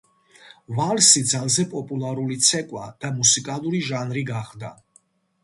ვალსი ძალზე პოპულარული ცეკვა და მუსიკალური ჟანრი გახდა.